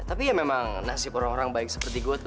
tapi ya memang nasib orang orang baik seperti gue tuh